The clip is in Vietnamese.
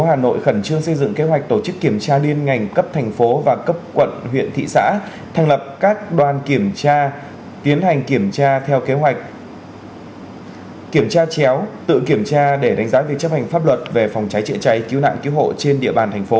hà nội khẩn trương xây dựng kế hoạch tổ chức kiểm tra liên ngành cấp thành phố và cấp quận huyện thị xã thành lập các đoàn kiểm tra tiến hành kiểm tra theo kế hoạch kiểm tra chéo tự kiểm tra để đánh giá việc chấp hành pháp luật về phòng cháy chữa cháy cứu nạn cứu hộ trên địa bàn thành phố